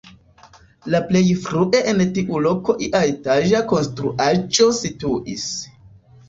La plej frue en tiu loko ia etaĝa konstruaĵo situis.